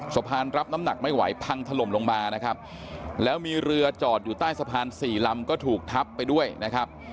รับน้ำหนักไม่ไหวพังถล่มลงมานะครับแล้วมีเรือจอดอยู่ใต้สะพานสี่ลำก็ถูกทับไปด้วยนะครับ